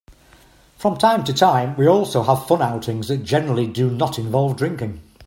From time to time, we also have fun outings that generally do not involve drinking.